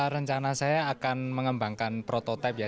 rencana saya akan mengembangkan prototipe ya